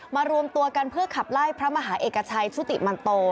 รวมตัวกันเพื่อขับไล่พระมหาเอกชัยชุติมันโต